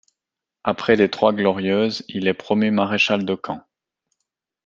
Après les Trois Glorieuses, il est promu maréchal de camp.